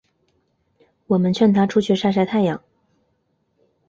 我们劝她出去晒晒太阳